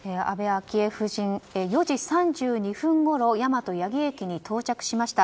安倍昭恵夫人は４時３２分ごろ大和八木駅に到着しました。